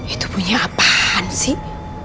itu punya apaan sih